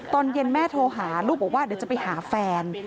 ตอนเย็นแม่โทรหาลูกบอกว่าเดี๋ยวจะไปหาแฟน